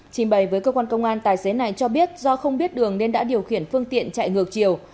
trình bày với cơ quan công an tài xế này cho biết do không biết đường nên đã điều khiển phương tiện chạy ngược chiều